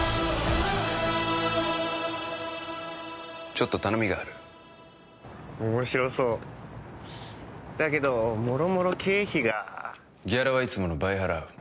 ちょっと頼みがある面白そうだけどもろもろ経費がギャラはいつもの倍払う３倍